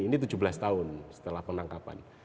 ini tujuh belas tahun setelah penangkapan